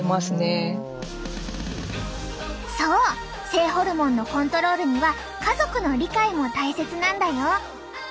性ホルモンのコントロールには家族の理解も大切なんだよ。